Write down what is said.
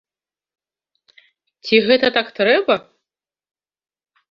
Ці гэта так трэба?